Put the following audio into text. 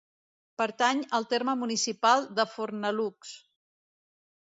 Pertany al terme municipal de Fornalutx.